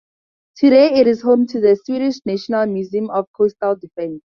Today, it is home to the Swedish National Museum of Coastal Defence.